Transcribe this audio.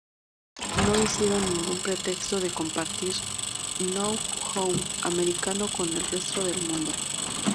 No hicieron ningún pretexto de compartir Know-how americano con el resto del mundo.